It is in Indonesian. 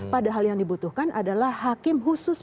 pada hal yang dibutuhkan adalah hakim khusus